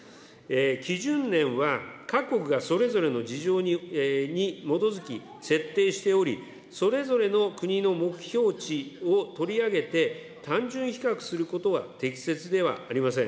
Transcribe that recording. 基準年は各国がそれぞれの事情に基づき設定しており、それぞれの国の目標値を取り上げて、単純比較することは適切ではありません。